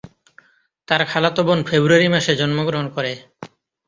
তার খালাতো বোন ফেব্রুয়ারি মাসে জন্মগ্রহণ করে।